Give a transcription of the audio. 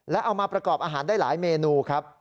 และเอามาประกอบอาหารได้หลายเมนูครับ